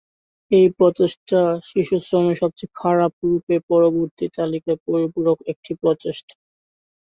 এই প্রচেষ্টা শিশুশ্রমের সবচেয়ে খারাপ রূপের পূর্ববর্তী তালিকার পরিপূরক একটি প্রচেষ্টা।